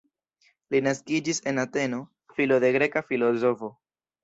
Li naskiĝis en Ateno, filo de greka filozofo.